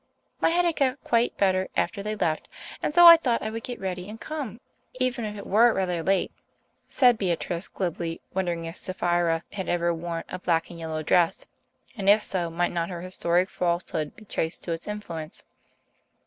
"My headache got quite better after they left, and so I thought I would get ready and come, even if it were rather late," said Beatrice glibly, wondering if Sapphira had ever worn a black and yellow dress, and if so, might not her historic falsehood be traced to its influence?